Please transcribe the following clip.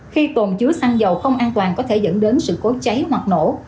khi tồn chứa xăng dầu không an toàn có thể dẫn đến sự cố cháy hoặc nổ